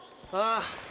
ああ。